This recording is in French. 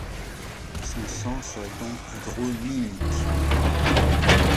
Son sens serait donc hydronymique.